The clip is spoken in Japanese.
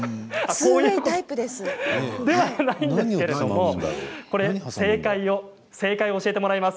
それではないんですけれども正解を教えてもらいます。